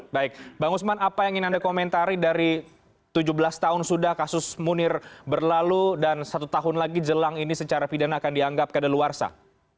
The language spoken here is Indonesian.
baik bang usman apa yang ingin anda komentari dari tujuh belas tahun sudah kasus munir berlalu dan satu tahun lagi jelang ini secara pidana akan dianggap keadaan luar sah